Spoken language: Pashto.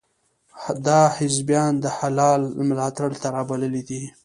ده حزبیان د هلال ملاتړ ته را بللي دي.